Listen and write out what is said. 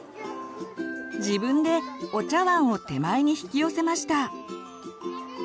自分でお茶わんを手前に引き寄せました。